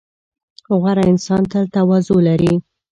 • غوره انسان تل تواضع لري.